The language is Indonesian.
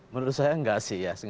menurut saya nggak sih ya